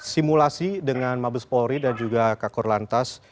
simulasi dengan mabes polri dan kakur lantas